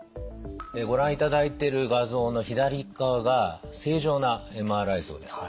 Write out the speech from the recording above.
ご覧いただいてる画像の左側が正常なＭＲＩ像です。